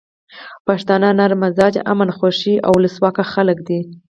پښتانه نرم مزاجه، امن خوښي او ولسواک خلک دي.